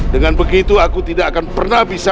dengan begitu aku tidak akan pernah bisa